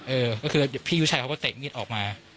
เออก็คือพี่ผู้ชายเขาก็เตะมีดออกมา